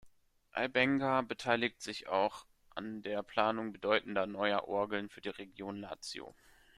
Albenga beteiligt sich auch an der Planung bedeutender neuer Orgeln für die Region Lazio.